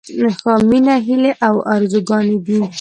— مينه هيلې او ارزوګانې دي.